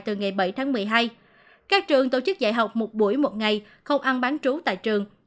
từ ngày bảy tháng một mươi hai các trường tổ chức dạy học một buổi một ngày không ăn bán trú tại trường